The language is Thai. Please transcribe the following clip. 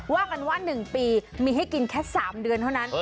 ว่ากันว่า๑ปีมีให้กินแค่๓เดือนเท่านั้น